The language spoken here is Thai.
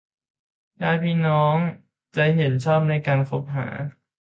ญาติพี่น้องจะเห็นชอบในการคบหา